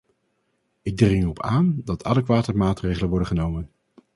Ik dring erop aan dat adequate maatregelen worden genomen.